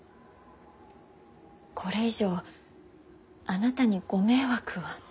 これ以上あなたにご迷惑は。